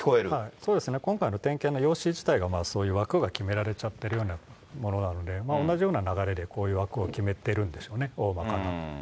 今回の点検の用紙自体がそういう枠が決められちゃってるようなものなので、同じような流れでこういう枠を決めてるんでしょうね、大まかな。